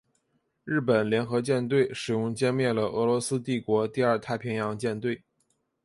日本联合舰队使用歼灭了俄罗斯帝国第二太平洋舰队。